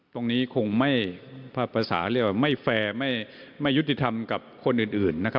ตรงนี้คงไม่ภาษาเรียกว่าไม่แฟร์ไม่ยุติธรรมกับคนอื่นนะครับ